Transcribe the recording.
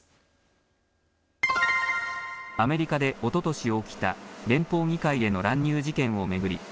アメリカでおととし起きた連邦議会への乱入事件を巡り